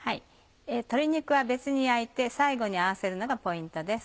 鶏肉は別に焼いて最後に合わせるのがポイントです。